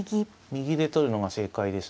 右で取るのが正解ですね。